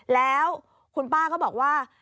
แล้วคุณป้าก็บอกว่า